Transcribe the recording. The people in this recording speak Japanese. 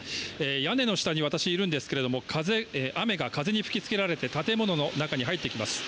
屋根の下に私いるんですけれども雨が風に吹きつけられて建物の中に入ってきます。